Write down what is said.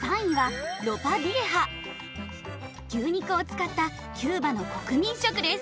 牛肉を使ったキューバの国民食です。